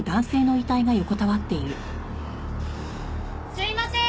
すいません。